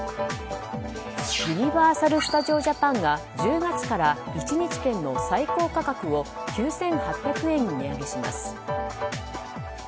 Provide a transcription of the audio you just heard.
ユニバーサル・スタジオ・ジャパンが１０月から１日券の最高価格を９８００円に値上げします。